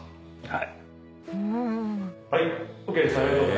はい。